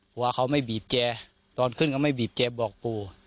หัวเขาไม่บีบแจตอนขึ้นก็ไม่บีบแจบอกปู่